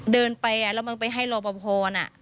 เดินไปแล้วมันไปให้โรปพรณ์